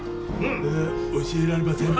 え教えられません。